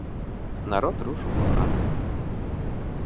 Народ рушыў па хатах.